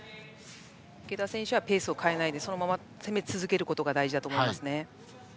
池田選手はペースを変えないでそのまま攻め続けることが大事だと思います。